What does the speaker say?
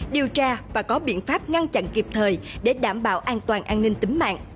điều tra và có biện pháp ngăn chặn kịp thời để đảm bảo an toàn an ninh tính mạng